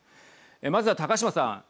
まずは高島さん。